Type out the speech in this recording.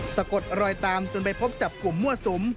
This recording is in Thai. สะกดรอยตามจนไปพบจับกลุ่มมั่วสุม